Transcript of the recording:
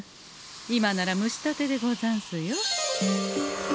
今なら蒸したてでござんすよ。